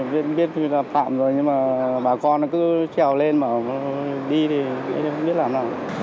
vẫn biết là phạm rồi nhưng mà bà con cứ chèo lên mà đi thì không biết làm nào